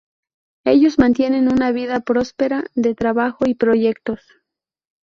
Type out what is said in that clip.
Ellos mantienen una vida próspera de trabajo y proyectos.